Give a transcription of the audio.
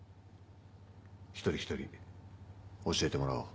一人一人教えてもらおう。